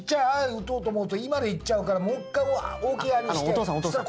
打とうと思うと「い」まで行っちゃうからもう一回大きい「あ」にしたら。